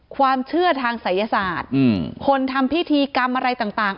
ความเชื่อทางศัยศาสตร์คนทำพิธีกรรมอะไรต่าง